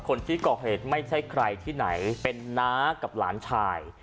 คนที่ก่อเหตุไม่ใช่ใครที่ไหนเป็นน้ากับหลานชาย